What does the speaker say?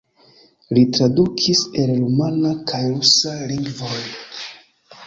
Li tradukis el rumana kaj rusa lingvoj.